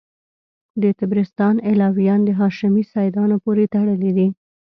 د طبرستان علویان د هاشمي سیدانو پوري تړلي دي.